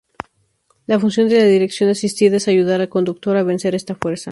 La función de la dirección asistida es ayudar al conductor a vencer esta fuerza.